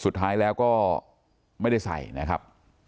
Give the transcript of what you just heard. สุดท้ายแล้วก็ไม่ได้ใส่นะครับ